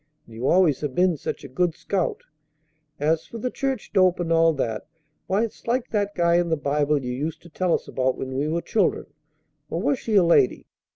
And you always have been such a good scout. As for the church dope and all that, why, it's like that guy in the Bible you used to tell us about when we were children or was she a lady?